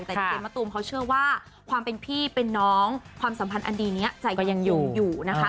แต่จริงมะตูมเขาเชื่อว่าความเป็นพี่เป็นน้องความสัมพันธ์อันดีนี้ใจก็ยังอยู่อยู่นะคะ